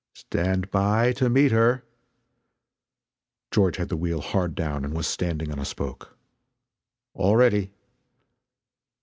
"Stand by to meet her!" George had the wheel hard down and was standing on a spoke. "All ready!"